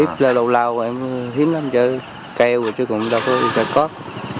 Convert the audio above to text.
ít là lâu lâu em hiếm lắm chứ kèo rồi chứ cũng đâu có đi xe cốt